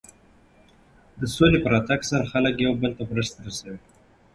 د سولې په راتګ سره خلک یو بل ته مرستې رسوي.